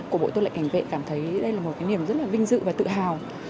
của bộ tư lệnh cảnh vệ cảm thấy đây là một cái niềm rất là vinh dự và tự hào